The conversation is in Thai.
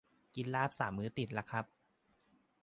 กินลาบสามมื้อติดละครับ